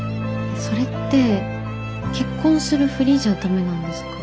それって結婚するふりじゃダメなんですか？